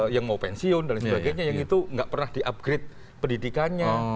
yang mau pensiun dan sebagainya yang itu enggak pernah diupgrade pendidikannya